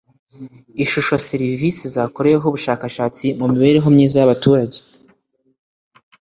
ishusho serivisi zakorereweho ubushakashatsi mu mibereho myiza y abaturage